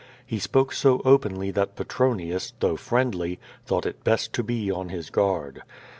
He spoke so openly that Petronius, though friendly, thought it best to be on his guard.